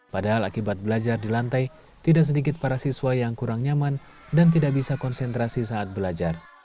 padahal akibat belajar di lantai tidak sedikit para siswa yang kurang nyaman dan tidak bisa konsentrasi saat belajar